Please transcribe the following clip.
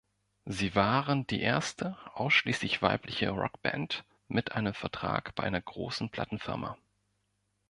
Sie waren die erste ausschließlich weibliche Rockband mit einem Vertrag bei einer großen Plattenfirma.